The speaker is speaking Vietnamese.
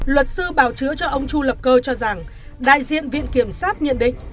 luật sư bào chứa cho ông chu lập cơ cho rằng đại diện viện kiểm sát nhận định